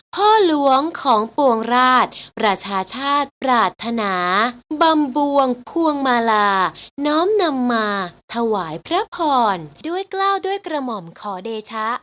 พ่อหลวงของปวงราชประชาชาติปรารถนาบำบวงควงมาลาน้อมนำมาถวายพระพรด้วยกล้าวด้วยกระหม่อมขอเดชะ